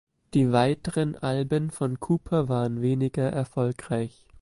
Die weiteren Alben von Kooper waren weniger erfolgreich.